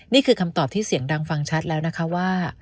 นี่คือคำตอบที่เสียงดังฟังชัดแล้วนะคะว่า